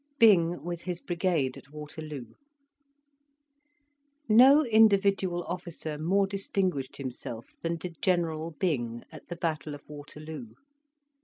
BYNG WITH HIS BRIGADE AT WATERLOO No individual officer more distinguished himself than did General Byng at the battle of Waterloo.